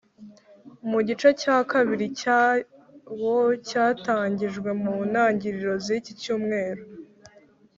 Mu gice cya kabiri cyawo cyatangijwe mu ntangiro z’iki cyumweru